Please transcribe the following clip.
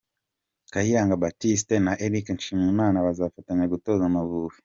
Kayiranga Baptiste na Eric Nshimiyimana bazafatanya gutoza Amavubi.